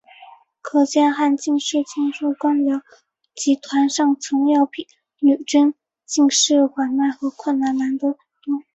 可见汉进士进入官僚集团上层要比女真进士缓慢和困难得多。